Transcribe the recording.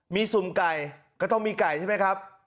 มีสุ่มไก่ก็ต้องมีไก่ใช่ไหมครับ